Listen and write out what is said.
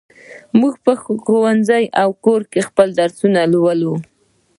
موږ په ښوونځي او کور کې خپل درسونه لولو.